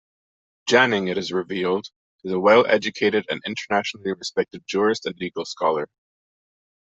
Janning, it is revealed, is a well-educated and internationally respected jurist and legal scholar.